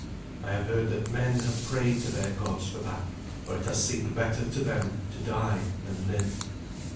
I have heard that men have prayed to their gods for that, for it has seemed better to them to die than live.